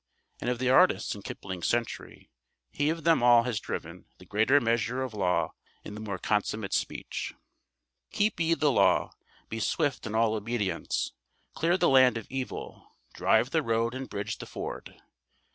And of the artists in Kipling's century, he of them all has driven the greater measure of law in the more consummate speech: Keep ye the Law be swift in all obedience. Clear the land of evil, drive the road and bridge the ford.